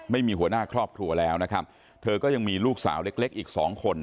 ไม่มีหัวหน้าครอบครัวแล้วนะครับเธอก็ยังมีลูกสาวเล็กเล็กอีกสองคน